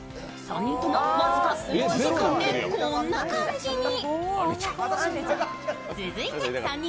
３人とも、僅か１時間でこんな感じに。